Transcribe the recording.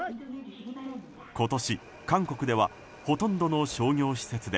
今年、韓国ではほとんどの商業施設で